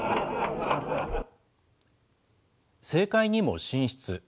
政界にも進出。